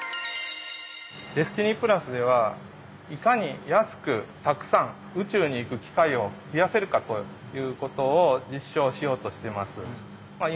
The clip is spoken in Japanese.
ＤＥＳＴＩＮＹではいかに安くたくさん宇宙に行く機会を増やせるかということを実証しようとしてます。